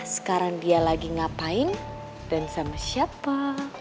sekarang dia lagi ngapain dan sama siapa